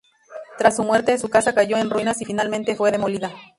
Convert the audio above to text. Tras su muerte, su casa cayó en ruinas y finalmente fue demolida.